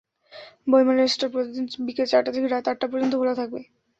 বইমেলার স্টল প্রতিদিন বিকেল চারটা থেকে রাত আটটা পর্যন্ত খোলা থাকবে।